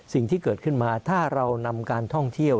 สิ่งที่เกิดขึ้นมาถ้าเรานำการท่องเที่ยว